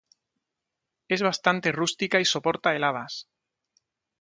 Es bastante rústica y soporta heladas.